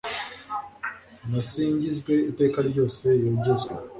nasingizwe iteka ryose, yogezwe